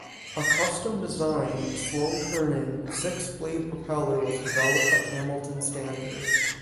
A custom-designed, slow-turning, six-blade propeller was developed by Hamilton Standard.